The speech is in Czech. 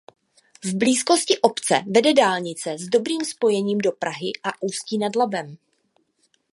V blízkosti obce vede dálnice s dobrým spojením do Prahy a Ústí nad Labem.